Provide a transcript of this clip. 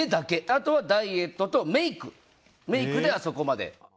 あとはダイエットとメイクであそこまで。